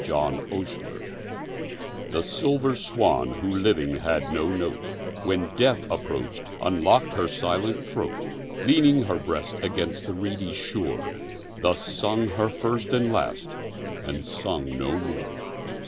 6 Autoplay The silver swan, who living had no note, When death approach'd, unlock'd her silent throat; Leaning her breast against the reedy shore, Thus sung her first and last, and sung no more.